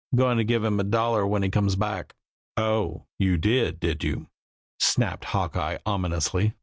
Goin' to give him a dollar when he comes back." "Oh, you did, did you!" snapped Hawkeye ominously.